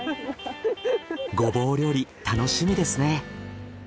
ゴボウ料理楽しみですね。